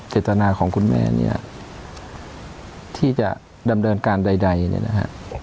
เจตนาของคุณแม่เนี่ยที่จะดำเนินการใดเนี่ยนะฮะ